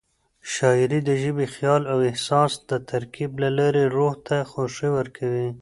شاعري د ژبې، خیال او احساس د ترکیب له لارې روح ته خوښي ورکوي.